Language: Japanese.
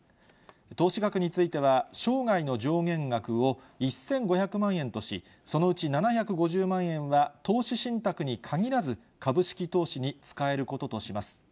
投資額については、生涯の上限額を１５００万円とし、そのうち７５０万円は投資信託に限らず、株式投資に使えることとします。